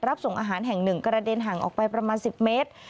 รับส่งอาหารแห่งหนึ่งกระเด็นห่างออกไปประมาณ๑๐เมตร